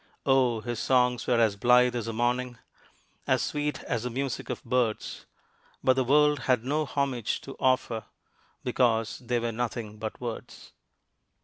Oh, his songs were as blithe as the morning, As sweet as the music of birds; But the world had no homage to offer, Because they were nothing but words.